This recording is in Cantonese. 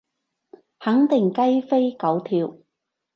肯定雞飛狗跳